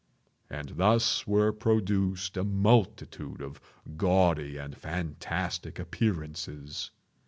And thus were produced a multitude of gaudy and fantastic appearances.